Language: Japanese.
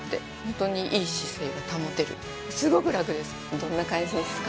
どんな感じですか？